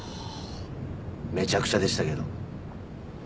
めちゃくちゃでしたけど。